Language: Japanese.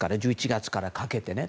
１１月からかけてね。